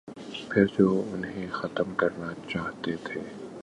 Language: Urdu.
پھر جو انہیں ختم کرنا چاہتے تھے۔